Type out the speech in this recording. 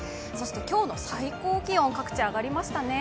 今日の最高気温、各地、上がりましたね。